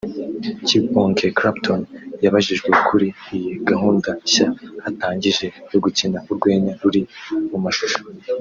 Kibonge Clapton yabajijwe kuri iyi gahunda nshya atangije yo gukina urwenya ruri mu mashusho